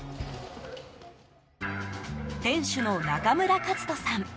店主の中村一登さん。